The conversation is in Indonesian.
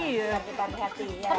iya getar getar di hati